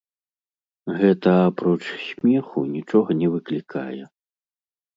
Гэта апроч смеху нічога не выклікае.